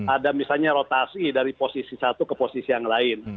ada misalnya rotasi dari posisi satu ke posisi yang lain